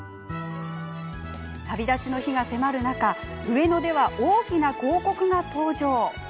旅立ちの日が迫る中上野では大きな広告が登場。